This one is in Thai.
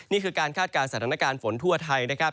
นี่คือการคาดการณ์สถานการณ์ฝนทั่วไทยนะครับ